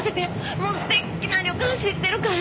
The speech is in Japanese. もう素敵な旅館知ってるから！